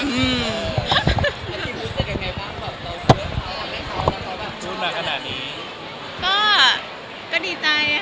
พูดมาขนาดนี้